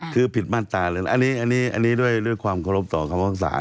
คือผิดมาตราเลยนะอันนี้ด้วยความเคารพต่อคำภาษา